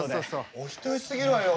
お人よしすぎるわよ。